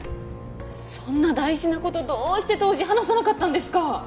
そんな大事な事どうして当時話さなかったんですか？